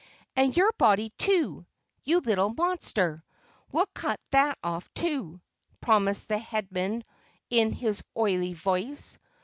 And your body, too, you little monster, we'll cut that off too," promised the Headman in his oily voice.